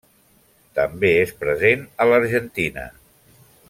També és present a l'Argentina.